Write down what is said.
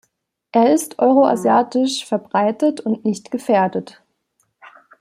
Er ist euro-asiatisch verbreitet und nicht gefährdet.